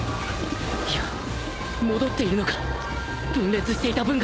いや戻っているのか分裂していた分が